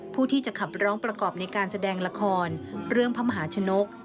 ผู้ที่จะขับร้องประกอบในการแสดงละครเรื่องพระมหาชนก